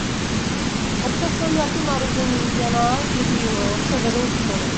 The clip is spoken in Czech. O přesném datu narození Jana Jiřího se vedou spory.